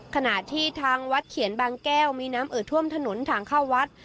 ขณะที่ทางวัดเขียนบางแก้วมีน้ำเอิดท่วมถนนทางเข้าวัด